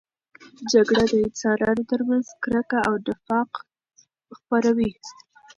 جګړه د انسانانو ترمنځ کرکه او نفاق خپروي.